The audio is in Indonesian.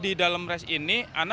dan kemudian kita mengajarkan kemampuan